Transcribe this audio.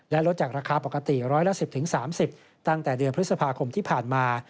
และลดจากราคาปกติร้อยละ๑๐๓๐ตั้งแต่เดือนพฤษภาคมที่ผ่านมา